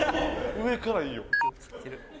上からいいよ。